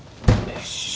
よし！